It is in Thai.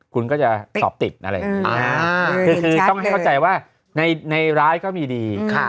คุณก็จะสอบติดอะไรอย่างนี้คือต้องให้เข้าใจว่าในร้ายก็มีดี